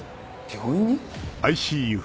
病院に？